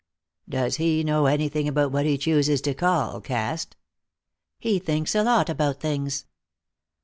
Does he know anything about what he chooses to call caste?" "He thinks a lot about things."